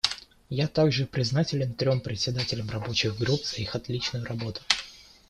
Я также признателен трем председателям рабочих групп за их отличную работу.